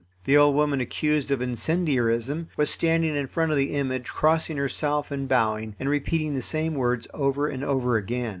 The old woman accused of incendiarism was standing in front of the image, crossing herself and bowing, and repeating the same words over and over again.